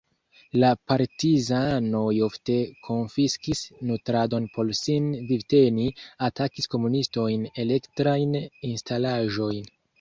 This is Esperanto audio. La partizanoj ofte konfiskis nutradon por sin vivteni, atakis komunistojn, elektrajn instalaĵojn.